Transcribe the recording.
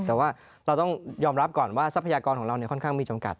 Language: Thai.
แต่ว่าเราต้องยอมรับก่อนว่าทรัพยากรของเราค่อนข้างมีจำกัด